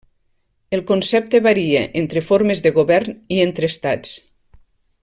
El concepte varia entre formes de govern i entre estats.